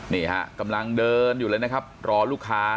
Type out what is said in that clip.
นี่ฮะกำลังเดินอยู่เลยนะครับรอลูกค้า